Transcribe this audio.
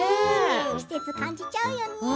季節、感じちゃうよね。